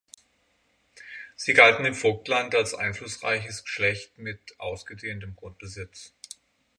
Sie galten im Vogtland als einflussreiches Geschlecht mit ausgedehntem Grundbesitz.